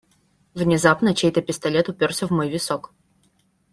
Внезапно чей-то пистолет упёрся в мой висок.